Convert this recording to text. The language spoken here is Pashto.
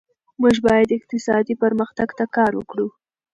موږ باید اقتصادي پرمختګ ته کار وکړو.